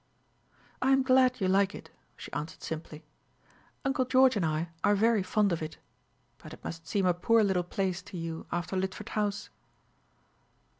"I am glad you like it," she answered simply. "Uncle George and I are very fond of it. But it must seem a poor little place to you after Lidford House."